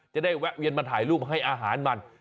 แวะเวียนมาถ่ายรูปให้อาหารมัน